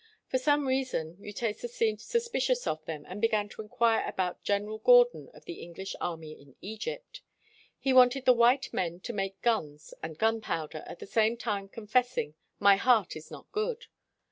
For some reason, Mutesa seemed suspicious of them and began to inquire about General Gordon of the English army in Egypt. He wanted the white men to make guns and gunpowder, at the same time confessing "My heart is not good."